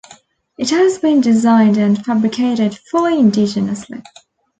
It has been designed and fabricated fully indigenously.